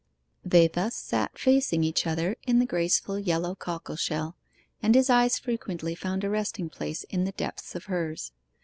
They thus sat facing each other in the graceful yellow cockle shell, and his eyes frequently found a resting place in the depths of hers.